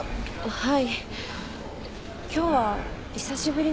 はい。